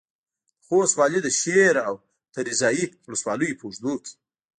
د خوست والي د شېر او تریزایي ولسوالیو په اوږدو کې